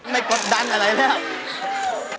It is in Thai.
ไม่ปลดดันอะไรเลยครับ